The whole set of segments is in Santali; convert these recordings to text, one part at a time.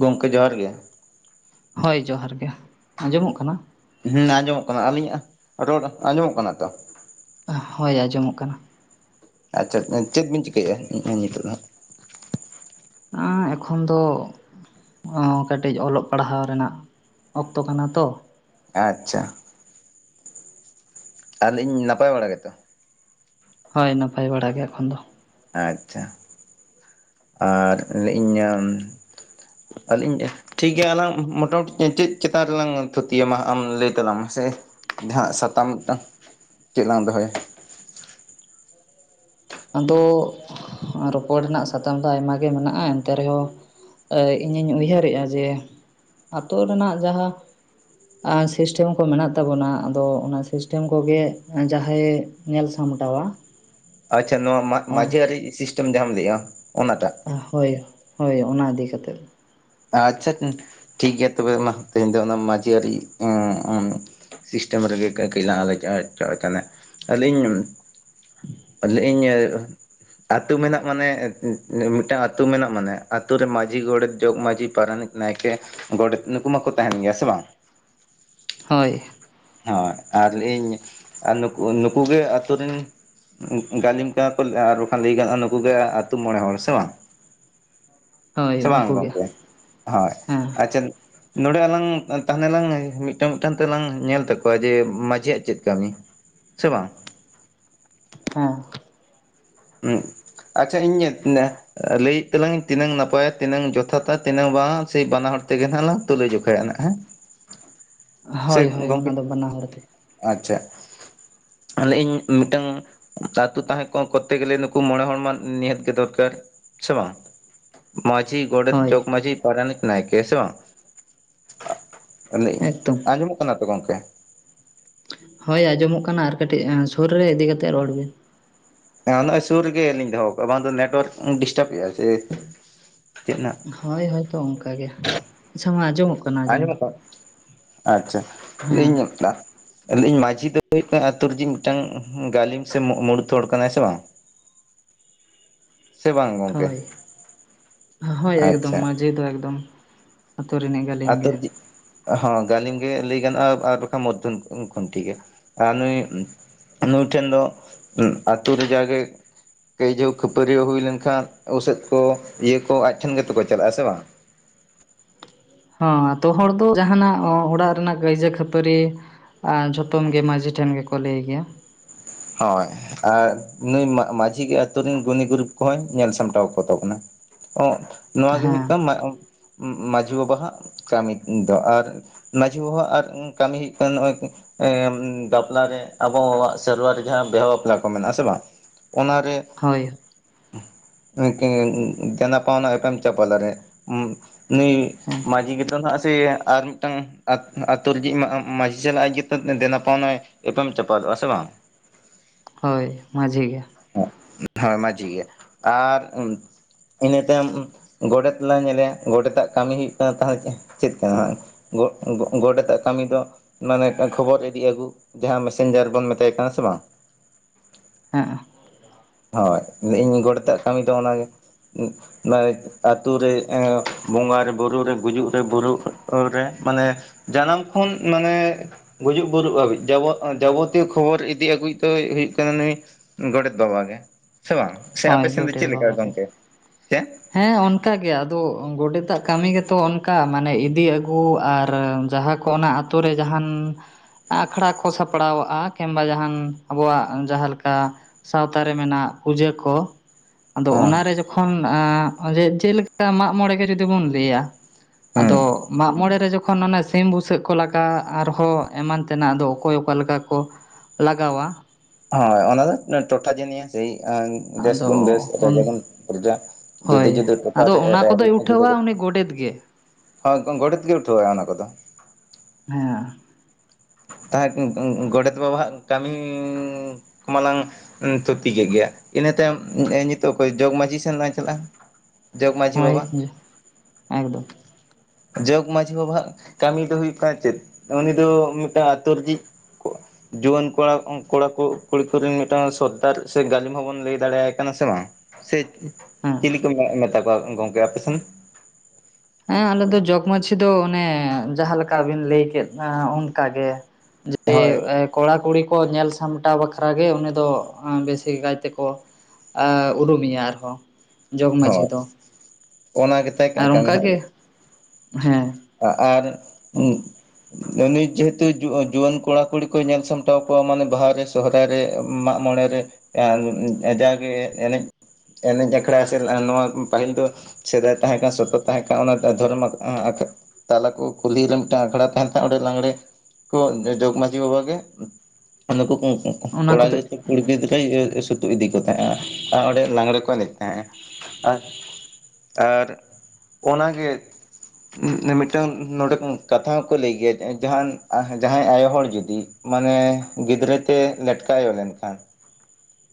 ᱜᱚᱝᱠᱮ ᱡᱚᱦᱟᱨ ᱜᱮ᱾ ᱦᱳᱭ ᱡᱚᱦᱟᱨ ᱜᱮ, ᱟᱸᱡᱚᱢᱚᱜ ᱠᱟᱱᱟ᱾ ᱦᱮᱸ ᱟᱸᱡᱚᱢᱚᱜ ᱠᱟᱱᱟ ᱟᱹᱞᱤᱧᱟᱜ ᱨᱚᱲ ᱟᱸᱡᱚᱢᱚᱜ ᱠᱟᱱᱟ ᱛᱚ᱾ ᱦᱳᱭ ᱟᱸᱡᱚᱢᱚᱜ ᱠᱟᱱᱟ᱾ ᱟᱪᱪᱷᱟ ᱪᱮᱫ ᱵᱤᱱ ᱪᱤᱠᱟᱹᱭᱮᱫᱭᱟ ᱱᱤᱛᱚᱜ ᱫᱚ ᱱᱟ? ᱟ ᱮᱠᱷᱚᱱ ᱫᱚ᱾ ᱚ ᱠᱟᱹᱴᱤᱡ ᱚᱞᱚᱜ ᱯᱟᱲᱦᱟᱣ ᱨᱮᱱᱟᱜ ᱚᱠᱛᱚ ᱠᱟᱱᱟ ᱛᱚ᱾ ᱟᱪᱪᱷᱟ ᱟᱨ ᱞᱟ. ᱭ ᱤᱧ ᱱᱟᱯᱟᱭ ᱵᱟᱲᱟ ᱜᱮᱛᱚ? ᱦᱳᱭ ᱱᱟᱯᱟᱭ ᱵᱟᱲᱟ ᱜᱮ ᱮᱠᱷᱚᱱ ᱫᱚ᱾ ᱟᱪᱪᱷᱟ ᱟᱨ ᱞᱟ. ᱭ ᱤᱧ ᱟᱹᱞᱤᱧ ᱴᱷᱤᱠ ᱜᱮᱭᱟ ᱟᱞᱟᱝ ᱢᱚᱴᱟᱢᱩᱴᱤ ᱪᱮᱫ ᱪᱮᱛᱟᱱ ᱨᱮᱞᱟᱝ ᱛᱷᱩᱛᱤᱭᱟᱢᱟ ᱟᱢ ᱞᱟᱹᱭ ᱛᱟᱞᱟᱝ ᱢᱮ ᱥᱮ᱾ ᱡᱟᱦᱟᱸᱜ ᱥᱟᱛᱟᱢ ᱢᱤᱫᱴᱟᱝ, ᱪᱮᱜ ᱞᱟᱝ ᱫᱚᱦᱚᱭᱟ? ᱟᱫᱚ ᱨᱚᱯᱚᱲ ᱨᱮᱱᱟᱜ ᱥᱟᱛᱟᱢ ᱫᱚ ᱟᱭᱢᱟ ᱜᱮ ᱢᱮᱱᱟᱜᱼᱟ ᱮᱱᱛᱮ ᱨᱮᱦᱚᱸ ᱤᱧᱤᱧ ᱩᱭᱦᱟᱹᱨᱮᱜᱼᱟ ᱡᱮ ᱟᱹᱛᱳ ᱨᱮᱱᱟᱜ ᱡᱟᱦᱟ ᱟᱨ ᱥᱤᱥᱴᱮᱢ ᱠᱚ ᱢᱮᱱᱟᱜ ᱛᱟᱵᱚᱱᱟ, ᱟᱫᱚ ᱚᱱᱟ ᱥᱤᱥᱴᱮᱢ ᱠᱚᱜᱮ ᱡᱟᱦᱟᱭᱮ ᱧᱮᱞ ᱥᱟᱢᱴᱟᱣᱟ᱾ ᱟᱪᱪᱷᱟ ᱱᱚᱣᱟ ᱢᱟ-ᱢᱟᱺᱡᱷᱤ ᱟᱹᱨᱤ ᱥᱤᱥᱴᱮᱢ ᱡᱟᱦᱟᱢ ᱞᱟᱹᱭᱮᱜᱼᱟ ᱚᱱᱟᱴᱟᱜ᱾ ᱦᱳᱭ ᱦᱳᱭ ᱚᱱᱟ ᱤᱫᱤ ᱠᱟᱛᱮᱜ᱾ ᱟᱪᱪᱷᱟ ᱴᱷᱤᱠ ᱜᱮᱭᱟ ᱛᱚᱵᱮ ᱢᱟ ᱛᱮᱦᱮᱧ ᱫᱚ ᱚᱱᱟ ᱢᱟᱺᱡᱷᱤ ᱟᱹᱨᱤ ᱩᱸ ᱩᱸ ᱥᱤᱥᱴᱮᱢ ᱨᱮᱜᱮ ᱠᱟᱹᱡ ᱟᱞᱳᱪᱚᱱᱟᱜᱼᱟ ᱟᱹᱞᱤᱧ ᱞᱟ. ᱭᱤᱧ ᱟᱛᱳ ᱢᱮᱱᱟᱜ ᱢᱟᱱᱮ ᱢᱤᱫᱴᱟᱝ ᱟᱛᱳ ᱢᱮᱱᱟᱜ ᱢᱟᱱᱮ ᱟᱛᱳ ᱨᱮ ᱢᱟᱺᱡᱷᱤ ᱜᱚᱰᱮᱛ ᱡᱚᱜᱽ ᱢᱟᱺᱡᱷᱤ, ᱯᱟᱨᱟᱱᱤᱠ, ᱱᱟᱭᱠᱮ, ᱜᱚᱰᱮᱛ, ᱱᱩᱠᱩ ᱢᱟᱠᱚ ᱛᱟᱦᱮᱱ ᱜᱮᱭᱟ ᱥᱮ ᱵᱟᱝ᱾ ᱦᱳᱭ ᱦᱳᱭ ᱟᱨ ᱞᱟ. ᱭᱤᱧ ᱟᱨ ᱱᱩ ᱱᱩᱠᱩᱜᱮ ᱟᱛᱳ ᱨᱮᱱ ᱜᱟᱹᱞᱤᱢ ᱠᱟᱱᱟ ᱠᱚ ᱟᱨ ᱵᱟᱠᱷᱟᱱ ᱞᱟᱹᱭ ᱜᱟᱱᱚᱜᱼᱟ ᱱᱩᱠᱩᱜᱮ ᱟᱛᱳ ᱢᱚᱬᱮ ᱦᱚᱲ ᱥᱮ ᱵᱟᱝ᱾ ᱦᱳᱭ ᱥᱮ ᱵᱟᱝ ᱩᱱᱠᱩ ᱜᱮ ᱜᱚᱝᱠᱮ᱾ ᱦᱳᱭ, ᱦᱮᱸ ᱟᱪᱪᱷᱟ ᱱᱚᱸᱰᱮ ᱟᱞᱟᱝ ᱛᱟᱦᱚᱞᱮ ᱞᱟᱝ ᱢᱤᱫᱴᱟᱝ ᱢᱤᱫᱴᱟᱝ ᱛᱮᱞᱟᱝ ᱧᱮᱞ ᱛᱟᱠᱚᱣᱟ ᱡᱮ ᱢᱟᱺᱡᱷᱤᱭᱟᱜ ᱪᱮᱫ ᱠᱟᱢᱤ, ᱥᱮ ᱵᱟᱝ? ᱦᱮᱸ ᱦᱩᱸ ᱟᱪᱪᱷᱟ ᱤᱧ [unintelligible] ᱞᱟᱹᱭᱮᱫ ᱛᱟᱞᱟᱝ ᱤᱧ ᱛᱤᱱᱟᱹᱜ ᱱᱟᱯᱟᱭᱟ ᱛᱤᱱᱟᱹᱝ ᱡᱚᱛᱷᱟᱛᱟ ᱛᱤᱱᱟᱹᱝ ᱵᱟᱝ ᱥᱮᱭ ᱵᱟᱱᱟ ᱦᱚᱲ ᱛᱮᱜᱮ ᱱᱟᱦᱟᱜ ᱞᱟᱝ ᱛᱩᱞᱟᱹ ᱡᱚᱠᱷᱟᱭᱟ ᱱᱟᱜ ᱦᱮᱸ ᱥᱮ ᱦᱳᱭ ᱦᱳᱭ ᱜᱚᱝᱠᱮ ᱚᱱᱟ ᱫᱚ ᱵᱟᱱᱟ ᱦᱚᱲ ᱛᱮ ᱟᱪᱪᱷᱟ ᱟᱨ ᱞᱟ. ᱭᱤᱧ ᱢᱤᱫᱴᱟᱝ ᱟᱛᱳ ᱛᱟᱦᱮᱸ ᱠᱚ ᱛᱮ ᱜᱮᱞᱮ ᱱᱩᱠᱩ ᱢᱚᱬᱮ ᱦᱚᱲ ᱢᱟ ᱱᱤᱦᱟᱹᱛ ᱜᱮ ᱫᱚᱨᱠᱟᱨ ᱥᱮ ᱵᱟᱝ? ᱢᱟᱺᱡᱷᱤ ᱜᱚᱰᱮᱛ ᱦᱳᱭ ᱡᱚᱜᱽᱢᱟᱺᱡᱷᱤ ᱯᱟᱨᱟᱱᱤᱠ ᱱᱟᱭᱠᱮ ᱥᱮ ᱵᱟᱝ ᱟᱨ ᱞᱟᱹᱭ ᱟᱹᱧ ᱮᱠᱫᱚᱢ ᱟᱸᱡᱚᱢᱚᱜ ᱠᱟᱱᱟ ᱛᱚ ᱜᱚᱢᱠᱮ? ᱦᱳᱭ ᱟᱸᱡᱚᱢᱚᱜ ᱠᱟᱱᱟ ᱟᱨ ᱠᱟᱹᱴᱤᱡ ᱥᱩᱨ ᱨᱮ ᱤᱫᱤ ᱠᱟᱛᱮᱫ ᱨᱚᱲ ᱵᱤᱱ ᱮ ᱱᱚᱜᱼᱚᱭ ᱥᱩᱨ ᱨᱮᱞᱤᱧ ᱫᱚᱦᱚ ᱠᱟᱜᱼᱟ ᱵᱟᱝ ᱫᱚ ᱱᱮᱴᱚᱣᱟᱨᱠ ᱰᱤᱥᱴᱟᱵᱮᱼᱟ ᱡᱮ ᱪᱮᱫ ᱱᱟᱜ ᱦᱳᱭ ᱦᱳᱭ ᱛᱚ ᱚᱱᱠᱟ ᱜᱮ ᱟᱪᱪᱷᱟ ᱢᱟ ᱟᱸᱡᱚᱢᱚᱜ ᱠᱟᱱᱟ ᱟᱸᱡᱚᱢ ᱫᱚ ᱟᱸᱡᱚᱢᱚᱜ ᱠᱟᱱᱟ ᱟᱪᱪᱷᱟ ᱞᱟᱹᱭ ᱟᱹᱧ ᱦᱮᱸ ᱞᱟᱹᱭ ᱟᱹᱧ ᱢᱟᱺᱡᱷᱤ ᱫᱚ ᱦᱩᱭᱩᱜ ᱠᱟᱱᱟ ᱟᱹᱛᱳ ᱨᱤᱡᱤᱡ ᱢᱤᱫᱴᱟᱝ ᱜᱟᱹᱞᱤᱢ ᱥᱮ ᱢᱩᱬᱩᱫ ᱦᱚᱲ ᱠᱟᱱᱟᱭ ᱥᱮ ᱵᱟᱝ ᱥᱮ ᱵᱟᱝ ᱜᱚᱝᱠᱮ ᱦᱳᱭ ᱟᱪᱪᱷᱟ ᱡᱮᱦᱮᱛᱩ ᱮᱠᱫᱚᱢ ᱟᱛᱳ ᱨᱤᱱᱤᱡ ᱜᱟᱹᱞᱤᱢ ᱟ‌ᱛᱳ ᱜᱮ ᱨᱤᱡᱤᱡ ᱦᱚᱸ ᱜᱟᱞᱤᱢ ᱜᱮ ᱞᱟᱹᱭ ᱜᱟᱱᱚᱜᱼᱟ ᱟᱨ ᱵᱟᱝᱠᱷᱟᱱ ᱢᱚᱫᱫᱷᱚᱢ ᱠᱷᱩᱱᱴᱤ ᱜᱮ ᱟᱨ ᱱᱩᱭ ᱱᱩᱭ ᱴᱷᱮᱱ ᱫᱚ ᱟᱹᱛᱳ ᱨᱮᱡᱟᱜ ᱜᱮ ᱠᱟᱹᱭᱡᱟᱹᱣ ᱠᱷᱟᱹᱯᱟᱹᱨᱤᱭᱟᱹ ᱦᱩᱭ ᱞᱮᱱᱠᱷᱟᱱ ᱩᱥᱟᱹᱫ ᱠᱚ ᱤᱭᱟᱹ ᱠᱚ ᱟᱡ ᱴᱷᱮᱱ ᱜᱮᱛᱚ ᱠᱚ ᱪᱟᱞᱟᱜᱼᱟ ᱥᱮ ᱵᱟᱝ ᱦᱚᱸ ᱟᱹᱛᱳ ᱦᱚᱲ ᱫᱚ ᱡᱟᱦᱟᱱᱟᱜ ᱚᱲᱟᱜ ᱨᱮᱱᱟᱜ ᱠᱟᱹᱭᱡᱟᱹ ᱠᱷᱟᱹᱯᱟᱹᱨᱤ ᱟᱨ ᱡᱷᱚᱛᱚᱢ ᱜᱮ ᱢᱟᱺᱡᱷᱤ ᱴᱷᱮᱱ ᱜᱮᱠᱚ ᱞᱟᱹᱭ ᱜᱮᱭᱟ ᱦᱳᱭ ᱟᱨ ᱱᱩᱭ ᱢᱟ ᱢᱟᱺᱡᱷᱤ ᱜᱮ ᱟᱛᱩ ᱨᱮᱱ ᱜᱩᱱᱤ ᱜᱩᱨᱤᱵ ᱠᱚᱦᱚᱧ ᱧᱮᱞ ᱥᱟᱢᱴᱟᱣ ᱠᱚ ᱛᱟᱵᱚᱱᱟ ᱚ ᱱᱚᱶᱟ ᱜᱮ ᱦᱩᱭᱩᱜ ᱦᱮᱸ ᱠᱟᱱᱟ ᱢᱟᱺᱡᱷᱤ ᱵᱟᱵᱟᱣᱟᱜ ᱠᱟᱹᱢᱤ ᱫᱚ ᱟᱨ ᱢᱟᱹᱡᱷᱤ ᱵᱟᱵᱟ ᱟᱨ ᱠᱟᱹᱢᱤ ᱦᱳᱭᱳᱜ ᱠᱟᱱᱟ ᱱᱚᱜᱼᱚᱭ ᱵᱟᱯᱞᱟ ᱨᱮᱟᱵᱚᱣᱟᱜ ᱥᱮᱨᱣᱟ ᱨᱮ ᱡᱟᱦᱟᱸ ᱵᱤᱦᱟ ᱵᱟᱯᱞᱟ ᱠᱚ ᱢᱮᱱᱟᱜᱼᱟ ᱥᱮ ᱵᱟᱝ ᱚᱱᱟ ᱨᱮ ᱦᱳᱭ [unintelligible] ᱫᱮᱱᱟ ᱯᱟᱣᱱᱟ ᱮᱯᱮᱢ ᱪᱟᱯᱟᱞ ᱨᱮ ᱱᱩᱭ ᱦᱮᱸ ᱢᱟᱺᱡᱷᱤ ᱜᱮᱛᱚ ᱱᱟᱦᱟᱜ ᱥᱮ ᱟᱨ ᱢᱤᱫᱴᱟᱝ ᱟᱹᱛᱩ ᱨᱤᱡᱤᱡ ᱢᱟᱺᱡᱷᱤ ᱪᱟᱞᱟᱜ ᱟᱭ ᱟᱡ ᱜᱮᱛᱚ ᱫᱮᱱᱟ ᱯᱟᱣᱱᱟᱭ ᱮᱯᱮᱢ ᱪᱟᱯᱟᱞᱼᱟ ᱥᱮ ᱵᱟᱝ ᱦᱳᱭ ᱢᱟᱺᱡᱷᱤ ᱜᱮ ᱦᱳᱭ ᱢᱟᱺᱡᱷᱤ ᱜᱮ ᱟᱨ ᱤᱱᱟᱹ ᱛᱟᱭᱚᱢ ᱜᱚᱰᱮᱛ ᱞᱟᱝ ᱧᱮᱞᱮᱭᱟ ᱜᱚᱰᱮᱛᱟᱜ ᱠᱟᱹᱢᱤ ᱦᱩᱭᱩᱜ ᱠᱟᱱᱟ ᱛᱟᱦᱚᱞᱮ ᱪᱮᱫ ᱠᱟᱱᱟ? ᱜᱚᱰᱮᱛᱟᱜ ᱠᱟᱹᱢᱤ ᱫᱚ ᱢᱟᱱᱮ ᱠᱷᱚᱵᱚᱨ ᱤᱫᱤ ᱟᱹᱜᱩ ᱡᱟᱦᱟᱸ ᱢᱮᱥᱮᱧᱡᱟᱨ ᱵᱚᱱ ᱢᱮᱛᱟᱭ ᱠᱟᱱᱟ ᱥᱮ ᱵᱟᱝ ᱦᱮᱸ ᱦᱳᱭ ᱤᱧ ᱜᱚᱰᱮᱛᱟᱜ ᱠᱟᱹᱢᱤ ᱫᱚ ᱚᱱᱟᱜᱮ ᱟᱛᱩ ᱨᱮ ᱵᱚᱸᱜᱟ ᱨᱮ ᱵᱩᱨᱩ ᱨᱮ ᱜᱩᱡᱩᱜ ᱨᱮ ᱵᱩᱨᱩᱜ ᱨᱮ ᱢᱟᱱᱮ ᱡᱟᱱᱟᱢ ᱠᱷᱚᱱ ᱢᱟᱱᱮ ᱜᱩᱡᱩᱜ ᱜᱩᱨᱩᱜ ᱦᱟᱵᱤᱡ ᱡᱟᱵᱚᱛᱤᱭᱚ ᱠᱷᱚᱵᱚᱨ ᱤᱫᱤ ᱤᱫᱤ ᱟᱹᱜᱩᱭ ᱫᱚ ᱦᱩᱭᱩᱜ ᱠᱟᱱᱟ ᱱᱩᱭ ᱜᱚᱰᱮᱛ ᱵᱟᱵᱟ ᱜᱮ ᱥᱮ ᱵᱟᱝ ᱥᱮ ᱦᱳᱭ ᱟᱯᱮ ᱥᱮᱱ ᱫᱚ ᱜᱚᱰᱮᱛ ᱪᱮᱫ ᱞᱮᱠᱟ ᱵᱟᱵᱟ ᱜᱮ ᱜᱚᱝᱠᱮ ᱪᱮᱫ? ᱦᱮᱸ ᱚᱱᱠᱟ ᱜᱮ ᱟᱫᱚ ᱜᱚᱰᱮᱛᱟᱜ ᱠᱟᱹᱢᱤ ᱜᱮᱛᱚ ᱚᱱᱼᱼ ᱼᱼᱠᱟ ᱢᱟᱱᱮ ᱤᱫᱤ ᱟᱹᱜᱩ ᱟᱨ ᱡᱟᱦᱟᱸ ᱠᱚ ᱚᱱᱟ ᱟᱛᱳ ᱨᱮ ᱡᱟᱦᱟᱱ ᱟᱠᱷᱲᱟ ᱠᱚ ᱥᱟᱯᱲᱟᱣᱟᱜᱼᱟ ᱠᱤᱢᱵᱟ ᱡᱟᱦᱟᱱ ᱟᱵᱚᱣᱟᱜ ᱡᱟᱦᱟᱸ ᱞᱮᱠᱟ ᱥᱟᱶᱛᱟ ᱨᱮ ᱢᱮᱱᱟᱜ ᱯᱩᱡᱟᱹ ᱠᱚ ᱟᱫᱚ ᱚᱱᱟᱨᱮ ᱡᱚᱼᱼ ᱼᱠᱷᱚᱱ ᱡᱮ ᱪᱮᱞᱮᱠᱟ ᱢᱟᱜ ᱢᱚᱬᱮ ᱜᱮ ᱡᱩᱫᱤ ᱵᱚᱱ ᱞᱟᱹᱭᱟ ᱦᱮᱸ ᱟᱫᱚ ᱢᱟᱜ ᱢᱚᱬᱮ ᱨᱮ ᱡᱚᱠᱼᱼ ᱼᱼᱠᱷᱚᱱ ᱚᱱᱮ ᱥᱤᱢ ᱵᱩᱥᱟᱹᱜ ᱠᱚ ᱞᱮᱠᱟ ᱟᱨᱦᱚᱸ ᱮᱢᱟᱱ ᱛᱮᱱᱟᱜ ᱫᱚ ᱚᱠᱚᱭ ᱚᱠᱟ ᱞᱮᱠᱟ ᱠᱚ ᱞᱟᱜᱟᱣᱟ ᱦᱳᱭ ᱚᱱᱟ ᱫᱚ ᱴᱚᱴᱷᱟ ᱡᱮᱱᱟᱹᱭᱟ ᱥᱟᱹᱭ ᱵᱮᱥ ᱟᱫᱚ ᱜᱩᱱ ᱵᱮᱥ ᱚᱠᱚᱭ ᱡᱮᱢᱚᱱ ᱯᱚᱨᱡᱟ ᱡᱩᱫᱟᱹ ᱦᱳᱭ ᱡᱩᱫᱟᱹ ᱴᱚᱴᱷᱟ ᱟᱫᱚ ᱨᱮ ᱚᱱᱟ ᱨᱟᱭ ᱠᱚᱫᱚᱭ ᱨᱤᱛ ᱦᱚ ᱡᱩᱫᱟᱹ ᱩᱴᱷᱟᱹᱣᱟ ᱜᱮ ᱩᱱᱤ ᱜᱚᱰᱮᱛ ᱜᱮ ᱦᱳᱭ ᱜᱚᱝ ᱜᱚᱰᱮᱛ ᱜᱮ ᱩᱴᱷᱟᱹᱣᱟᱭ ᱚᱱᱟ ᱠᱚᱫᱚ ᱦᱮᱸ ᱛᱟᱦᱮᱸ ᱜᱚᱰᱮᱛ ᱵᱟᱵᱟᱣᱟᱜ ᱠᱟᱹᱢᱤ ᱠᱚ ᱢᱟᱞᱟᱝ ᱛᱷᱩᱛᱤ ᱠᱮᱫ ᱜᱮᱭᱟ ᱤᱱᱟᱹ ᱛᱟᱭᱚᱢ ᱱᱤᱛᱚᱜ ᱚᱠᱚᱭ ᱡᱚᱜᱽ ᱢᱟᱺᱡᱷᱤ ᱥᱮᱫ ᱞᱟᱝ ᱪᱟᱞᱟᱜᱼᱟ ᱡᱚᱜᱽ ᱢᱟᱺᱡᱷᱤ ᱦᱳᱭ ᱵᱟᱵᱟ ᱮᱠᱫᱚᱢ ᱡᱚᱜᱽ ᱢᱟᱺᱡᱷᱤ ᱵᱟᱵᱟ ᱦᱟᱜ ᱠᱟᱹᱢᱤ ᱫᱚ ᱦᱩᱭᱩᱜ ᱠᱟᱱᱟ ᱪᱮᱫ ᱩᱱᱤ ᱫᱚ ᱢᱤᱫᱴᱟᱝ ᱟᱛᱳ ᱨᱤᱡᱤᱡ ᱡᱩᱣᱟᱹᱱ ᱠᱚᱲᱟ ᱠᱚᱲᱟ ᱠᱩᱲᱤ ᱠᱚᱨᱮᱱ ᱢᱤᱫᱴᱟᱝ ᱥᱚᱫᱟᱨ ᱥᱮ ᱜᱟᱹᱞᱤᱢ ᱦᱚᱵᱚᱱ ᱞᱟᱹᱭ ᱫᱟᱲᱮᱭᱟᱭ ᱠᱟᱱᱟ ᱥᱮ ᱵᱟᱝ ᱥᱮ ᱦᱮᱸ ᱪᱤᱞᱤ ᱠᱚ ᱢᱮ ᱢᱮᱛᱟ ᱠᱚᱣᱟ ᱜᱚᱝᱠᱮ ᱟᱯᱮ ᱥᱮᱱ ᱮᱸ ᱟᱞᱮ ᱫᱚ ᱡᱚᱜᱽ ᱢᱟᱺᱡᱷᱤ ᱫᱚ ᱚᱱᱮ ᱡᱟᱦᱟᱸ ᱞᱮᱠᱟ ᱵᱤᱱ ᱞᱟᱹᱭ ᱠᱮᱫ ᱚᱱᱠᱟ ᱜᱮ ᱡᱮ ᱦᱳᱭ ᱠᱚᱲᱟᱼᱠᱩᱲᱤ ᱠᱚ ᱧᱮᱞ ᱥᱟᱢᱴᱟᱣ ᱵᱟᱠᱷᱨᱟ ᱜᱮ ᱩᱱᱤ ᱫᱚ ᱵᱮᱥᱤ ᱠᱟᱭᱛᱮᱠᱚ ᱟ ᱩᱨᱩᱢᱮᱭᱟ ᱟᱨᱦᱚᱸ ᱡᱚᱜᱽ ᱢᱟᱺᱡᱷᱤ ᱦᱳᱭ ᱫᱚ ᱚᱱᱟ ᱜᱮᱛᱟᱭ ᱟᱨ ᱠᱟᱹᱢᱤ ᱦᱟᱸᱜ ᱚᱱᱠᱟᱜᱮ ᱦᱮᱸ ᱟ ᱟᱨ [unintelligible] ᱩᱱᱤ ᱡᱮᱦᱮᱛᱩ ᱡᱩ ᱡᱩᱣᱟᱹᱱ ᱠᱚᱲᱟ ᱠᱩᱲᱤ ᱠᱚ ᱧᱮᱞ ᱥᱟᱢᱴᱟᱣ ᱠᱚᱣᱟ ᱢᱟᱱᱮ ᱵᱟᱦᱟ ᱨᱮ ᱥᱚᱦᱨᱟᱭ ᱨᱮ ᱢᱟᱜ ᱢᱚᱬᱮ ᱨᱮ ᱟ ᱡᱟᱜᱮ ᱮᱱᱮᱡ ᱮᱱᱮᱡ ᱟᱠᱷᱲᱟ ᱥᱮ ᱞᱟᱦᱟ ᱱᱚᱣᱟ ᱯᱟᱹᱦᱤᱞ ᱫᱚ ᱥᱮᱫᱟᱸᱭ ᱛᱟᱦᱮᱸ ᱠᱟᱱ ᱥᱚᱛᱚ ᱛᱟᱦᱮᱸ ᱠᱟᱱ ᱚᱱᱟ ᱴᱟᱜ ᱫᱷᱚᱨᱚᱢ ᱟᱸ ᱟᱠᱷ ᱛᱟᱞᱟ ᱠᱚ ᱠᱩᱞᱦᱤ ᱨᱮ ᱢᱤᱫᱴᱟᱝ ᱟᱠᱷᱲᱟ ᱛᱟᱦᱮᱱ ᱠᱷᱟᱡ ᱚᱸᱰᱮ ᱞᱟᱜᱽᱬᱮ ᱠᱚ ᱡᱚ ᱡᱚᱜᱽ ᱢᱟᱺᱡᱷᱤ ᱵᱟᱵᱟ ᱜᱮ ᱟᱨ ᱱᱩᱠᱩ ᱠᱩᱸᱻ ᱠᱩᱸᱻ ᱚᱱᱟ ᱠᱚᱲᱟ ᱠᱚᱫᱚ ᱜᱤᱫ ᱜᱤᱫᱽᱨᱟᱹᱭ ᱤᱭᱟᱹ ᱥᱩᱛᱩᱜ ᱤᱫᱤ ᱠᱚ ᱛᱟᱦᱮᱸᱜᱼᱟ ᱟᱨ ᱚᱸᱰᱮ ᱞᱟᱜᱽᱬᱮ ᱠᱚ ᱮᱱᱮᱡ ᱛᱟᱦᱮᱸᱜᱼᱟ ᱟᱨ ᱛᱟᱨ ᱚᱱᱟ ᱜᱮ ᱢᱤᱫᱴᱟᱝ ᱱᱚᱰᱮ ᱠᱟᱛᱷᱟ ᱦᱚᱸᱠᱚ ᱞᱟᱹᱭ ᱜᱮᱭᱟ ᱡᱟᱦᱟᱱ ᱡᱟᱦᱟᱸᱭ ᱟᱭᱚ ᱦᱚᱲ ᱡᱩᱫᱤ ᱢᱟᱱᱮ ᱜᱤᱫᱽᱨᱟᱹᱛᱮ ᱞᱮᱴᱠᱟ ᱟᱭᱚ ᱞᱮᱱᱠᱷᱟᱱ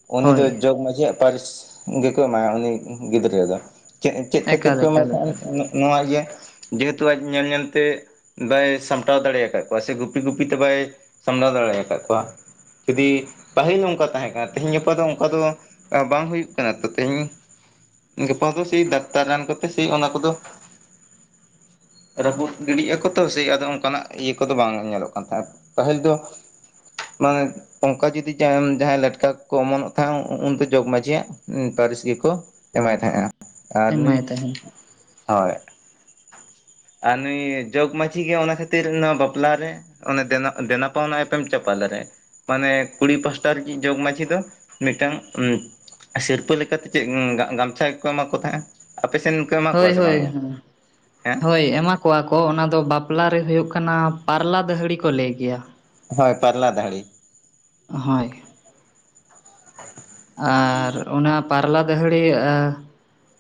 ᱩᱱᱤ ᱦᱳᱭ ᱫᱚ ᱡᱚᱜᱽ ᱢᱟᱺᱡᱷᱤᱭᱟᱜ ᱯᱟᱹᱨᱤᱥ ᱜᱮᱠᱚ ᱮᱢᱟᱭᱟ ᱩᱱᱤ ᱜᱤᱫᱽᱨᱟᱹ ᱫᱚ ᱪᱮᱫ ᱪᱮᱫ ᱠᱷᱟᱹᱛᱤᱨ ᱮᱠᱟᱞ ᱠᱚ ᱮᱢᱟᱭ ᱮᱠᱟᱞ ᱠᱷᱟᱱ ᱮᱠᱟᱞ ᱱᱚᱣᱟ ᱮ ᱡᱮᱦᱮᱛᱩ ᱟᱡ ᱧᱮᱞ ᱧᱮᱞᱛᱮ ᱵᱟᱭ ᱥᱟᱢᱴᱟᱣ ᱫᱟᱲᱮ ᱠᱟᱜ ᱠᱚᱣᱟ ᱥᱮ ᱜᱩᱯᱤ ᱜᱩᱯᱤᱛᱮ ᱵᱟᱭ ᱥᱟᱢᱲᱟᱣ ᱫᱟᱲᱮ ᱠᱟᱜ ᱠᱚᱣᱟ ᱡᱩᱫᱤ ᱯᱟᱹᱦᱤᱞ ᱦᱚᱸ ᱚᱱᱠᱟ ᱛᱟᱦᱮᱸ ᱠᱟᱱᱟ ᱛᱮᱦᱤᱧ ᱜᱟᱯᱟ ᱫᱚ ᱚᱱᱠᱟ ᱫᱚ ᱵᱟᱝ ᱦᱩᱭᱩᱜ ᱠᱟᱱᱟ ᱛᱚ ᱛᱮᱦᱮᱧ ᱜᱟᱯᱟ ᱫᱚ ᱥᱮᱭ ᱰᱟᱠᱛᱟᱨ ᱨᱟᱱ ᱠᱚᱛᱮ ᱥᱮᱭ ᱚᱱᱟ ᱠᱚᱫᱚ ᱨᱟᱹᱯᱩᱫ ᱜᱤᱰᱤᱜ ᱟᱠᱚ ᱛᱚ ᱥᱮᱭ ᱟᱫᱚ ᱚᱱᱠᱟᱱᱟᱜ ᱤᱭᱟᱹ ᱠᱚᱫᱚ ᱵᱟᱝ ᱧᱮᱞᱚᱜ ᱠᱟᱱ ᱛᱟᱦᱮᱸᱫ ᱯᱟᱹᱦᱤᱞ ᱫᱚ ᱢᱟᱜᱷ ᱚᱝᱠᱟ ᱡᱩᱫᱤ ᱡᱟᱦᱟᱸᱭ ᱞᱮᱴᱠᱟ ᱠᱚ ᱚᱢᱚᱱᱚᱜ ᱛᱟᱸᱦᱮᱫ ᱩ ᱩᱱ ᱫᱚ ᱡᱚᱜᱽ ᱢᱟᱺᱡᱷᱤᱭᱟᱜ ᱯᱟᱹᱨᱤᱥ ᱜᱮᱠᱚ ᱮᱢᱟᱭ ᱛᱟᱦᱮᱸᱜᱼᱟ ᱟᱨ ᱱᱩᱭ ᱮᱢᱟᱭ ᱛᱟᱦᱮᱱ ᱦᱳᱭ ᱟᱨ ᱱᱩᱭ ᱡᱚᱜᱽ ᱢᱟᱺᱡᱷᱤ ᱜᱮ ᱚᱱᱟ ᱠᱷᱟᱹᱛᱤᱨ ᱱᱚᱣᱟ ᱵᱟᱯᱞᱟ ᱨᱮ ᱚᱱᱮ ᱫᱮᱱᱟᱜ ᱫᱮᱱᱟᱯᱟᱣᱱᱟ ᱮᱯᱮᱢ ᱪᱟᱯᱟᱞ ᱨᱮ ᱢᱟᱱᱮ ᱠᱩᱲᱤ ᱯᱟᱥᱴᱟ ᱨᱤᱜᱤᱡ ᱡᱚᱜᱽ ᱢᱟᱺᱡᱷᱤ ᱫᱚ ᱢᱤᱫᱴᱟᱝ ᱥᱤᱨᱯᱟᱹ ᱞᱮᱠᱟᱛᱮ ᱪᱮᱫ ᱜᱟ ᱜᱟᱢᱪᱷᱟ ᱜᱮᱠᱚ ᱮᱢᱟ ᱠᱚ ᱛᱟᱦᱮᱸᱜᱼᱟ ᱟᱯᱮᱥᱮᱱ ᱦᱳᱭ ᱦᱳᱭ ᱦᱳᱭ ᱮᱢᱟ ᱠᱚᱣᱟ ᱠᱚ ᱚᱱᱟ ᱫᱚ ᱵᱟᱯᱞᱟ ᱨᱮ ᱦᱩᱭᱩᱜ ᱠᱟᱱᱟ ᱯᱟᱨᱞᱟ ᱫᱟᱹᱦᱲᱤ ᱠᱚ ᱞᱟᱹᱭ ᱜᱮᱭᱟ ᱦᱳᱭ ᱯᱟᱨᱞᱟ ᱫᱟᱹᱦᱲᱤ ᱦᱳᱭ ᱟᱨ ᱚᱱᱟ ᱯᱟᱨᱞᱟ ᱫᱟᱹᱦᱲᱤ ᱟ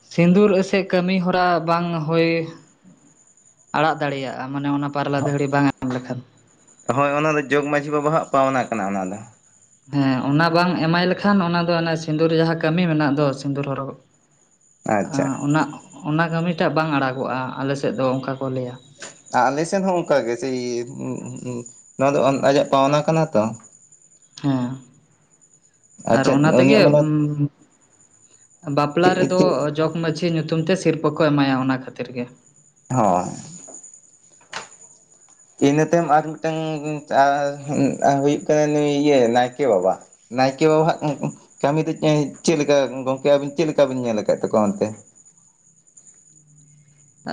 ᱥᱤᱸᱫᱩᱨ ᱮᱥᱮ ᱠᱟᱹᱢᱤ ᱦᱚᱨᱟ ᱵᱟᱝ ᱦᱳᱭ ᱟᱲᱟᱜ ᱫᱟᱲᱮᱭᱟᱜᱼᱟ ᱢᱟᱱᱮ ᱚᱱᱟ ᱯᱟᱨᱞᱟ ᱫᱟᱹᱦᱲᱤ ᱵᱟᱝ ᱮᱢ ᱞᱮᱠᱷᱟᱱ ᱦᱳᱭ ᱚᱱᱟᱫᱚ ᱡᱚᱜᱽ ᱢᱟᱺᱡᱷᱤ ᱵᱟᱵᱟᱣᱟᱜ ᱯᱟᱣᱱᱟ ᱠᱟᱱᱟ ᱚᱱᱟ ᱫᱚ ᱦᱮᱸ ᱚᱱᱟ ᱵᱟᱝ ᱮᱢᱟᱭ ᱞᱮᱠᱷᱟᱱ ᱚᱱᱟ ᱫᱚ ᱚᱱᱟ ᱥᱤᱸᱫᱩᱨ ᱡᱟᱦᱟᱸ ᱠᱟᱹᱢᱤ ᱢᱮᱱᱟᱜ ᱫᱚ ᱥᱤᱸᱫᱩᱨ ᱦᱚᱨᱚᱜᱚᱜ ᱟᱪᱪᱷᱟ ᱟᱸᱻ ᱚᱱᱟ ᱚᱱᱟ ᱠᱟᱹᱢᱤᱴᱟᱜ ᱵᱟᱝ ᱟᱲᱟᱜᱚᱜᱼᱟ ᱟᱞᱮ ᱥᱮᱫ ᱫᱚ ᱚᱱᱠᱟ ᱠᱚ ᱞᱟᱹᱭᱟ ᱟᱞᱮ ᱥᱮᱱ ᱦᱚᱸ ᱚᱝᱠᱟ ᱜᱮ ᱡᱮ [unintelligible] ᱱᱚᱣᱟ ᱫᱚ ᱟᱸᱫᱟᱡᱟᱜ ᱯᱟᱣᱱᱟ ᱠᱟᱱᱟ ᱛᱚ ᱦᱮᱸ ᱟᱨ ᱟᱪᱪᱷᱟ ᱚᱱᱟ ᱛᱮᱜᱮ ᱩᱱᱤᱭᱟᱜ ᱢᱟᱱᱮ ᱵᱟᱯᱞᱟ ᱪᱮᱫ ᱨᱮᱫᱚ ᱪᱮᱫ ᱡᱚᱜᱽ ᱢᱟᱡᱷᱤ ᱧᱩᱛᱩᱢ ᱛᱮ ᱥᱤᱨᱯᱟᱹ ᱠᱚ ᱮᱢᱟᱭᱟ ᱚᱱᱟ ᱠᱷᱟᱹᱛᱤᱨ ᱜᱮ ᱦᱳᱭ ᱤᱱᱟᱹ ᱛᱟᱭᱚᱢ ᱟᱨ ᱢᱤᱫᱴᱟᱝ [unintelligible] ᱦᱩᱭᱩᱜ ᱠᱟᱱᱟ ᱱᱩᱭ ᱱᱟᱭᱠᱮ ᱵᱟᱵᱟ ᱱᱟᱭᱠᱮ ᱵᱟᱵᱟᱣᱟᱜ ᱠᱟᱹᱢᱤ ᱫᱚ ᱪᱮᱫ ᱞᱮᱠᱟ ᱜᱚᱝᱠᱮ ᱟᱵᱤᱱ ᱪᱮᱫ ᱞᱮᱠᱟ ᱵᱤᱱ ᱧᱮᱞ ᱟᱠᱟᱫ ᱛᱟᱠᱚᱣᱟ ᱚᱱᱛᱮ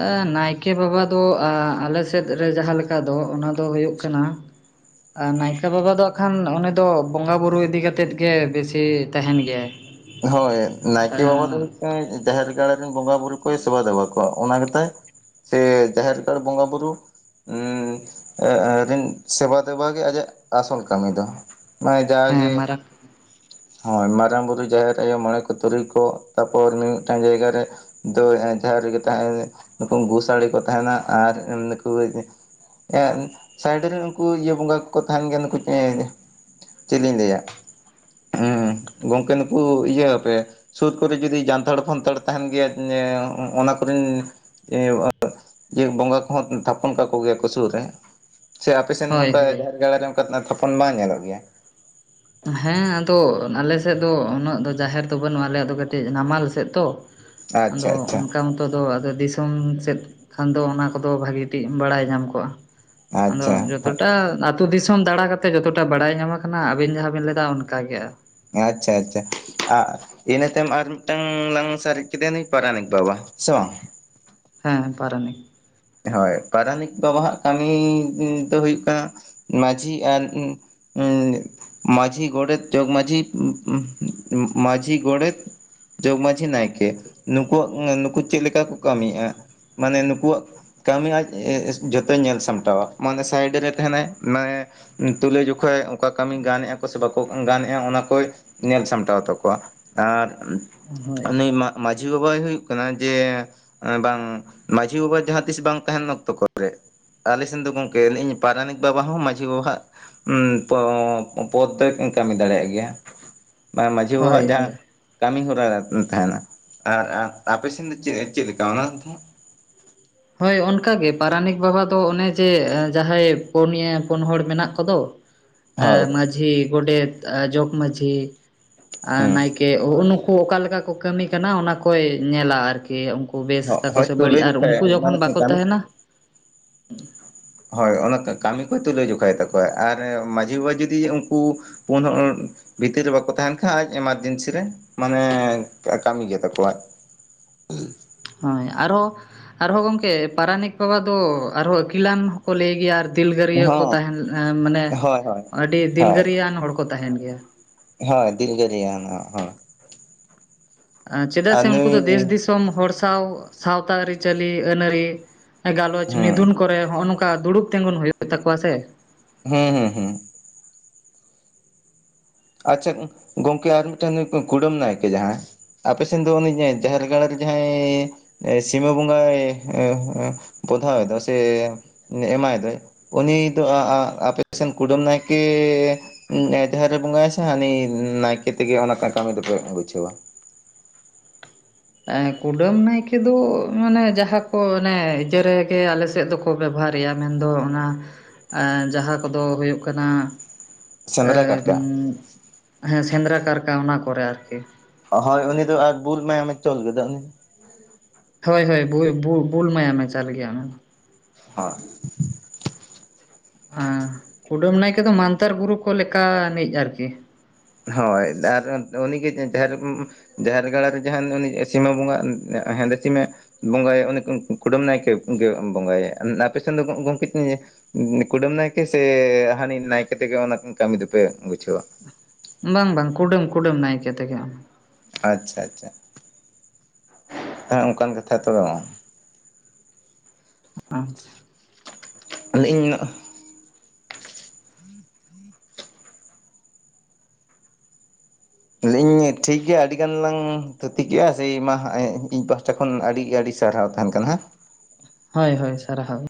ᱮᱸ ᱱᱟᱭᱠᱮ ᱵᱟᱵᱟ ᱫᱚ ᱟ ᱟᱞᱮ ᱥᱮᱫ ᱨᱮ ᱡᱟᱦᱟᱸ ᱞᱮᱠᱟ ᱫᱚ ᱚᱱᱟ ᱫᱚ ᱦᱩᱭᱩᱜ ᱠᱟᱱᱟ ᱟᱨ ᱱᱟᱭᱠᱮ ᱵᱟᱵᱟ ᱫᱚ ᱮᱱᱠᱷᱟᱱ ᱩᱱᱤ ᱫᱚ ᱵᱚᱸᱜᱟ ᱵᱩᱨᱩ ᱤᱫᱤ ᱠᱟᱛᱮᱫ ᱜᱮ ᱵᱮᱥᱤ ᱛᱟᱦᱮᱱ ᱜᱮᱭᱟᱭ ᱦᱳᱭ ᱱᱟᱭᱠᱮ ᱵᱟᱵᱟ ᱫᱚ ᱡᱟᱦᱮᱨ ᱜᱟᱲ ᱨᱮᱱ ᱵᱚᱸᱜᱟ ᱵᱩᱨᱩ ᱠᱚᱭ ᱥᱮᱵᱟ ᱫᱮᱵᱟ ᱠᱚᱣᱟ ᱚᱱᱟ ᱜᱮᱛᱟᱭ ᱥᱮ ᱡᱟᱦᱮᱨ ᱜᱟᱲ ᱵᱚᱸᱜᱟ ᱵᱩᱨᱩ [inaudible] ᱩᱸ ᱮᱸ ᱨᱤᱱ ᱥᱮᱵᱟ ᱫᱮᱵᱟᱜᱮ ᱟᱡᱟᱜ ᱟᱥᱚᱞ ᱠᱟᱹᱢᱤ ᱫᱚ ᱢᱟᱱᱮ ᱦᱮᱸ ᱡᱟᱜᱮ ᱢᱟᱨᱟᱝ ᱦᱳᱭ ᱢᱟᱨᱟᱝ ᱵᱩᱨᱩ ᱡᱟᱦᱮᱨ ᱟᱭᱳ ᱢᱚᱬᱮ ᱠᱚ ᱛᱩᱨᱩᱭ ᱠᱚ ᱛᱟᱯᱚᱨ ᱱᱩᱭ ᱢᱤᱫᱴᱟᱝ ᱡᱟᱭᱜᱟ ᱨᱮ ᱫᱚ ᱡᱟᱸᱦᱟ ᱨᱮᱜᱮ ᱛᱟᱦᱮᱱ ᱱᱩᱠᱩ ᱜᱳᱸᱥᱟᱬᱮ ᱠᱚ ᱛᱟᱦᱮᱱᱟ ᱟᱨ ᱱᱩᱠᱩ ᱮ ᱥᱟᱭᱤᱰ ᱨᱮ ᱩᱱᱠᱩ ᱤᱭᱟᱹ ᱵᱚᱸᱜᱟ ᱠᱚᱠᱚ ᱛᱟᱦᱮᱱ ᱜᱮᱭᱟ ᱱᱩᱠᱩ ᱪᱮ ᱪᱮᱫ ᱞᱤᱧ ᱞᱟᱹᱭᱟ ᱦᱩᱸ ᱜᱚᱝᱠᱮ ᱠᱩ ᱤᱭᱟᱹ ᱟᱯᱮ ᱥᱩᱨ ᱠᱚᱨᱮ ᱡᱩᱫᱤ ᱡᱟᱱᱛᱷᱟᱲ ᱯᱟᱱᱛᱷᱟᱲ ᱛᱟᱦᱮᱱ ᱜᱮᱭᱟ ᱚᱱᱟ ᱠᱚᱨᱮᱱ ᱤᱭᱟᱹ ᱵᱚᱸᱜᱟ ᱠᱚᱦᱚᱸ ᱛᱷᱟᱯᱚᱱ ᱠᱟᱠᱚ ᱜᱮᱭᱟ ᱠᱚ ᱥᱩᱨ ᱨᱮ ᱥᱮ ᱟᱯᱮᱥᱮᱱ ᱦᱳᱭ ᱚᱱᱠᱟ ᱦᱳᱭ ᱡᱟᱦᱮᱨ ᱜᱟᱲ ᱨᱮ ᱚᱱᱠᱟ ᱛᱷᱟᱯᱚᱱ ᱵᱟᱝ ᱧᱮᱞᱚᱜ ᱜᱮᱭᱟ ᱦᱮᱸ ᱟᱫᱚ ᱟᱞᱮ ᱥᱮᱫ ᱫᱚ ᱩᱱᱟᱹᱜ ᱫᱚ ᱡᱟᱦᱮᱨ ᱫᱚ ᱵᱟᱹᱱᱩᱜᱼᱟ ᱟᱞᱮᱭᱟᱜ ᱫᱚ ᱠᱟᱹᱴᱤᱡ ᱱᱟᱢᱟᱞ ᱥᱮᱫ ᱛᱚ ᱟᱫᱚ ᱟᱪᱪᱷᱟ ᱟᱪᱪᱷᱟ ᱚᱱᱠᱟ ᱠᱚᱫᱚ ᱟᱫᱚ ᱫᱤᱥᱚᱢ ᱥᱮᱫ ᱠᱷᱟᱱ ᱫᱚ ᱚᱱᱟ ᱠᱚᱫᱚ ᱵᱷᱟᱹᱜᱤ ᱴᱷᱤᱠ ᱵᱟᱲᱟᱭ ᱧᱟᱢ ᱠᱚᱜᱼᱟ ᱟᱫᱚ ᱟᱪᱪᱷᱟ ᱡᱚᱛᱚᱴᱟ ᱟᱹᱛᱩ ᱫᱤᱥᱚᱢ ᱫᱟᱬᱟ ᱠᱟᱛᱮ ᱡᱚᱛᱚᱴᱟ ᱵᱟᱲᱟᱭ ᱧᱟᱢ ᱠᱟᱱᱟ ᱟᱵᱤᱱ ᱡᱟᱦᱟᱸ ᱵᱮᱱ ᱞᱮᱫᱟ ᱚᱱᱠᱟᱜᱮ ᱟᱪᱪᱷᱟ ᱟᱪᱪᱷᱟ [unintelligible] ᱤᱱᱟᱹ ᱛᱟᱭᱚᱢ ᱟᱨ ᱢᱤᱫᱴᱟᱝ ᱞᱟᱝ ᱥᱟᱨᱮᱡ ᱠᱮᱫᱮᱭᱟ ᱱᱩᱭ ᱯᱟᱨᱟᱱᱤᱠ ᱵᱟᱵᱟ ᱥᱮ ᱵᱟᱝ ᱦᱮᱸ ᱯᱟᱨᱟᱱᱤᱠ ᱦᱳᱭ ᱯᱟᱨᱟᱱᱤᱠ ᱵᱟᱵᱟᱣᱟᱜ ᱠᱟᱹᱢᱤ ᱫᱚ ᱦᱩᱭᱩᱜ ᱠᱟᱱᱟ ᱢᱟᱺᱡᱷᱤ ᱟᱨ ᱩᱸ ᱟᱸ ᱢᱟᱡᱷᱤ ᱜᱚᱰᱮᱛ ᱡᱚᱜᱽ ᱢᱟᱡᱷᱤ ᱩᱸ ᱩᱸ ᱢᱟᱺᱡᱷᱤ ᱜᱚᱰᱮᱛ ᱡᱚᱜᱽ ᱢᱟᱺᱡᱷᱤ ᱱᱟᱭᱠᱮ ᱱᱩᱠᱩᱣᱟᱜ ᱱᱩᱠᱩ ᱪᱮᱫ ᱞᱮᱠᱟ ᱠᱚ ᱠᱟᱹᱢᱤᱭᱼᱟ ᱢᱟᱱᱮ ᱱᱩᱠᱩᱣᱟᱜ ᱠᱟᱹᱢᱤ ᱟᱡ ᱡᱚᱛᱚᱭ ᱧᱮᱞ ᱥᱟᱢᱴᱟᱣᱟ ᱢᱟᱱᱮ ᱥᱟᱭᱤᱰ ᱨᱮ ᱛᱟᱦᱮᱱᱟᱭ ᱢᱟᱱᱮ ᱛᱩᱞᱟᱹᱡᱚᱠᱷᱟ ᱚᱠᱟ ᱠᱟᱹᱢᱤ ᱜᱟᱱᱮᱜᱼᱟ ᱠᱚ ᱥᱮ ᱵᱟᱠᱚ ᱜᱟᱱᱮᱜᱼᱟ ᱚᱱᱟ ᱠᱚᱭ ᱧᱮᱞ ᱥᱟᱢᱴᱟᱣ ᱛᱟᱠᱚᱣᱟ ᱟᱨ ᱦᱳᱭ ᱩᱱᱤ ᱢᱟᱺᱡᱷᱤ ᱵᱟᱵᱟᱭ ᱦᱩᱭᱩᱜ ᱠᱟᱱᱟ ᱡᱮ ᱵᱟᱝ ᱢᱟᱺᱡᱷᱤ ᱵᱟᱵᱟ ᱡᱟᱸᱦᱟ ᱛᱤᱥ ᱵᱟᱝ ᱛᱟᱦᱮᱱ ᱚᱠᱛᱚ ᱠᱚᱨᱮ ᱟᱞᱮ ᱥᱮᱱ ᱫᱚ ᱜᱚᱝᱠᱮ ᱞᱟᱹᱭᱤᱧ ᱯᱟᱨᱟᱱᱤᱠ ᱵᱟᱵᱟ ᱦᱚᱸ ᱢᱟᱺᱡᱷᱤ ᱵᱟᱵᱟᱦᱟᱜ ᱦᱚᱸ ᱯᱚᱫᱽ ᱫᱚᱭ ᱠᱟᱹᱢᱤ ᱫᱟᱲᱮᱭᱟᱜ ᱜᱮᱭᱟ ᱢᱟᱺᱡᱷᱤ ᱦᱳᱭ ᱵᱟᱵᱟᱣᱟᱜ ᱦᱳᱭ ᱡᱟᱦᱟᱸ ᱠᱟᱹᱢᱤ ᱦᱚᱨᱟ ᱛᱟᱦᱮᱱᱟ ᱟᱨ ᱟᱸ ᱟᱸ ᱟᱯᱮᱥᱮᱱ ᱫᱚ ᱪᱮᱫ ᱞᱮᱠᱟ ᱚᱱᱟᱫᱚ ᱦᱟᱸᱜ ᱦᱳᱭ ᱚᱱᱠᱟ ᱜᱮ ᱯᱟᱨᱟᱱᱤᱠ ᱵᱟᱵᱟ ᱫᱚ ᱚᱱᱮ ᱡᱮ ᱡᱟᱦᱟᱸᱭ ᱯᱩᱱᱭᱟ, ᱯᱩᱱ ᱦᱚᱲ ᱢᱮᱱᱟᱜ ᱠᱚᱫᱚ [inaudible] ᱟ ᱢᱟᱺᱡᱷᱤ ᱜᱚᱰᱮᱛ ᱟ ᱡᱚᱜᱽ ᱢᱟᱺᱡᱷᱤ ᱟᱨ ᱦᱩᱸ ᱱᱟᱭᱠᱮ ᱠᱮ ᱱᱩᱜ-ᱩ ᱱᱩᱠᱩ ᱚᱠᱟ ᱞᱮᱠᱟ ᱠᱚ ᱠᱟᱹᱢᱤ ᱠᱟᱱᱟ ᱚᱱᱟ ᱠᱚᱭ ᱧᱮᱞᱟ ᱟᱨᱠᱤᱼᱼ ᱱᱚᱜ-ᱚᱭ ᱛᱩᱞᱟᱹ ᱡᱚᱠᱷᱟᱭᱟᱭ ᱚᱱᱟᱫᱚ ᱠᱤ ᱠᱟ. ᱢᱤ ᱾ ᱱᱟᱦ [inaudible] ᱦᱳᱭ ᱚᱱᱟ ᱠᱟ ᱠᱟᱹᱢᱤ ᱠᱚᱭ ᱛᱩᱞᱟᱹ ᱡᱟᱠᱷᱟᱭ ᱛᱟᱠᱚᱣᱟ ᱟᱨ ᱢᱟᱺᱡᱷᱤ ᱵᱟᱵᱟ ᱡᱩᱫᱤᱭ ᱩᱱᱠᱩ ᱯᱩᱱ ᱵᱷᱤᱛᱤᱨ ᱨᱮ ᱵᱟᱠᱚ ᱛᱟᱦᱮᱱ ᱠᱷᱟᱡ ᱟᱡ ᱮᱢᱟᱨᱡᱮᱱᱥᱤ ᱨᱮ ᱢᱟᱱᱮᱻ ᱠᱟᱹᱢᱤ ᱜᱮ ᱛᱟᱠᱚᱣᱟᱭ [inaudible] ᱦᱳᱭ ᱟᱨᱦᱚᱸ ᱟᱨᱦᱚᱸ ᱜᱚᱢᱠᱮ ᱯᱟᱨᱟᱱᱤᱠ ᱵᱟᱵᱟ ᱫᱚ ᱟᱨᱦᱚᱸ ᱟᱹᱠᱤᱞᱟᱱ ᱦᱚᱸᱠᱚ ᱞᱟᱹᱭ ᱜᱮᱭᱟ ᱟᱨ ᱫᱤᱞᱜᱟᱹᱨᱤᱭᱟᱹ ᱠᱚ ᱛᱟᱦᱮᱱ ᱮ ᱢᱟᱱᱮ ᱟᱹᱰᱤ ᱫᱤᱞᱜᱟᱹᱨᱤᱭᱟᱹᱣᱟᱱ ᱦᱚᱲ ᱠᱚ ᱛᱟᱦᱮᱱ ᱜᱮᱭᱟ ᱦᱳᱭ ᱫᱤᱞᱜᱟᱹᱨᱤᱭᱟᱹᱣᱟᱱ ᱦᱚᱲ ᱟ ᱪᱮᱫᱟᱜ ᱥᱮ ᱩᱱᱠᱩ ᱫᱚ ᱫᱮᱥ ᱫᱤᱥᱚᱢ ᱦᱚᱲ ᱥᱟᱶ ᱥᱟᱶᱛᱟ ᱟᱹᱨᱤᱪᱟᱹᱞᱤ ᱟᱹᱱᱟ. ᱨᱤ ᱜᱟᱞᱚᱪ ᱦᱩᱸ ᱢᱤᱫᱩᱱ ᱠᱚᱨᱮ ᱱᱚᱜᱼᱚ ᱱᱚᱝᱠᱟ ᱫᱩᱲᱩᱵ ᱛᱤᱸᱜᱩᱱ ᱦᱩᱭᱩᱜ ᱛᱟᱠᱚᱣᱟ ᱥᱮ ᱦᱮᱸ ᱦᱮᱸ ᱦᱮᱸ ᱟᱪᱪᱷᱟ ᱜᱚᱝᱠᱮ ᱟᱨ ᱢᱤᱫᱴᱟᱹᱱ ᱠᱩᱰᱟᱹᱢ ᱱᱟᱭᱠᱮ ᱡᱟᱦᱟᱸᱭ ᱟᱯᱮ ᱥᱮᱱ ᱫᱚ ᱩᱱᱤ ᱡᱟᱦᱮᱨ ᱜᱟᱲ ᱨᱮ ᱡᱟᱦᱟᱸᱭ ᱥᱤᱢᱟᱹ ᱵᱚᱸᱜᱟᱭ ᱦᱮᱸ ᱦᱮᱸ ᱵᱚᱫᱷᱟᱣ ᱫᱚ ᱥᱮ ᱮᱢᱟᱭ ᱫᱚᱭ ᱩᱱᱤ ᱫᱚ ᱟ ᱟᱯᱮᱥᱮᱱ ᱠᱩᱰᱟᱹᱢ ᱱᱟᱭᱠᱮ ᱮ ᱡᱟᱦᱮᱨ ᱨᱮ ᱵᱚᱸᱜᱟᱭ ᱥᱮ᱾ ᱦᱟᱱᱤ ᱱᱟᱭᱠᱮ ᱛᱮᱜᱮ ᱚᱱᱟ ᱠᱟᱹᱢᱤ ᱫᱚᱯᱮ ᱵᱩᱡᱷᱟᱹᱣᱟ᱾ ᱮ ᱠᱩᱰᱟᱹᱢ ᱱᱟᱭᱠᱮ ᱫᱚ ᱢᱟᱱᱮ ᱡᱟᱦᱟᱸ ᱠᱚ ᱚᱱᱮ ᱤᱭᱟᱹ ᱨᱮᱜᱮ ᱟᱞᱮ ᱥᱮᱫ ᱫᱚ ᱠᱚ ᱵᱮᱵᱦᱟᱨᱮᱭᱟ ᱢᱮᱱᱫᱚ ᱚᱱᱟ ᱡᱟᱦᱟᱸ ᱠᱚᱫᱚ ᱦᱩᱭᱩᱜ ᱠᱟᱱᱟ, ᱥᱮᱸᱫᱽᱨᱟ ᱠᱟᱨᱠᱟ ᱦᱮᱸ ᱥᱮᱸᱫᱽᱨᱟ ᱠᱟᱨᱠᱟ ᱚᱱᱟ ᱠᱚᱨᱮ ᱟᱨᱠᱤ ᱦᱳᱭ ᱩᱱᱤ ᱫᱚ ᱟᱨ ᱵᱩᱞ ᱢᱟᱭᱟᱢᱮ ᱪᱚᱞ ᱠᱮᱫᱚ ᱩᱱᱤ ᱦᱳᱭ ᱦᱳᱭ ᱵᱩᱭ ᱵᱩ ᱵᱩᱞ ᱢᱟᱭᱟᱢ ᱢᱮ ᱪᱟᱞ ᱜᱮᱭᱟ ᱚᱱᱟ ᱫᱚ ᱦᱮᱸ [inaudible] ᱦᱟᱸ ᱠᱩᱰᱟᱹᱢ ᱱᱟᱭᱠᱮ ᱫᱚ ᱢᱟᱱᱛᱟᱨ ᱜᱩᱨᱩ ᱠᱚ ᱞᱮᱠᱟ ᱱᱤᱡ ᱟᱨᱠᱤ ᱦᱳᱭ ᱟᱨ ᱩᱱᱤᱜᱮ ᱡᱟᱦᱮᱨ ᱨᱮᱵᱚ ᱡᱟᱦᱮᱨ ᱜᱟᱲ ᱨᱮ ᱡᱟᱦᱟᱱ ᱥᱤᱢᱟ ᱵᱚᱸᱜᱟ ᱦᱮᱸᱫᱮ ᱥᱤᱢᱮ ᱵᱚᱸᱜᱟᱭᱮ ᱩᱱᱤ ᱠᱩᱰᱩᱢ ᱱᱟᱭᱠᱮ ᱜᱮ ᱵᱚᱸᱜᱟᱭᱟ ᱟᱯᱮ ᱥᱮᱱ ᱫᱚ ᱜᱚᱢᱠᱮ ᱠᱩᱰᱟᱹᱢ ᱱᱟᱭᱠᱮ ᱥᱮ ᱦᱟᱹᱱᱤ ᱱᱟᱭᱠᱮ ᱛᱮᱜᱮ ᱚᱱᱟ ᱠᱟᱹᱢᱤ ᱫᱚᱯᱮ ᱵᱩᱡᱷᱟᱹᱣᱟ ᱵᱟᱝ ᱵᱟᱝ ᱠᱩᱰᱟᱹᱢ ᱠᱩᱰᱟᱹᱢ ᱱᱟᱭᱠᱮ ᱛᱮᱜᱮ ᱟᱪᱪᱷᱟ ᱟᱪᱪᱷᱟ ᱦᱮᱸ ᱚᱱᱠᱟᱱ ᱠᱟᱛᱷᱟ ᱛᱚ ᱟᱪᱷᱟ ᱟᱹᱞᱤᱧ ᱱᱚᱜ ᱤᱧ ᱴᱷᱤᱠ ᱜᱮᱭᱟ ᱟᱹᱰᱤ ᱜᱟᱱ ᱞᱟᱝ ᱛᱷᱩᱛᱤ ᱠᱮᱫᱼᱟ ᱥᱮ ᱢᱟ ᱤᱧ ᱯᱟᱦᱟᱴᱟ ᱠᱷᱚᱱ ᱟᱹᱰᱤ ᱟᱹᱰᱤ ᱥᱟᱨᱦᱟᱣ ᱛᱟᱦᱮᱱ ᱠᱟᱱᱟ ᱦᱟᱸᱜ᱾ ᱦᱳᱭ ᱦᱳᱭ ᱥᱟᱨᱦᱟᱣ